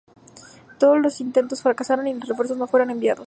Todos los intentos fracasaron y los refuerzos no fueron enviados.